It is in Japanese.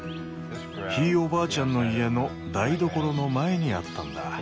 ひいおばあちゃんの家の台所の前にあったんだ。